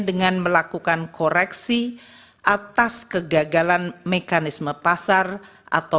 dengan melakukan koreksi atas kegagalan mekanisme pasar atau